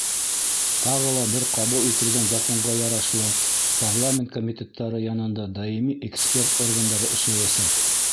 Тағы ла бер ҡабул ителгән законға ярашлы, парламент комитеттары янында даими эксперт органдары эшләйәсәк.